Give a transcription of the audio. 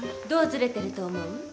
どうずれてると思う？